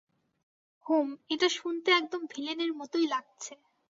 হুম, এটা শুনতে একদম ভিলেনের মতোই লাগছে।